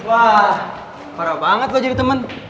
wah parah banget lo jadi temen